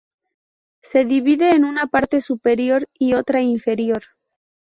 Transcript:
Se divide en una parte superior y otra inferior.